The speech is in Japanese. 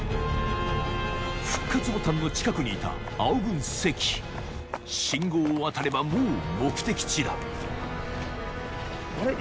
復活ボタンの近くにいた青軍関信号を渡ればもう目的地だあれ？